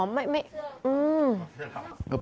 อ๋อไม่อืม